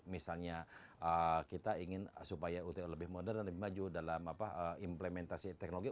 misalnya kita ingin supaya uta lebih modern lebih maju dalam implementasi teknologi